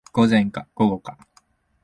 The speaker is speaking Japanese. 午前か午後か